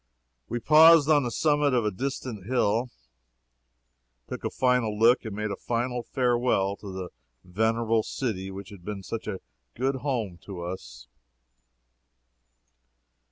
We paused on the summit of a distant hill and took a final look and made a final farewell to the venerable city which had been such a good home to us.